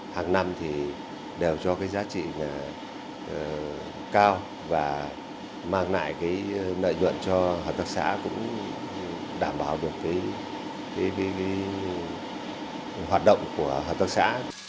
hàng năm đều cho giá trị cao và mang lại nợ nhuận cho hợp tác xã cũng đảm bảo được hoạt động của hợp tác xã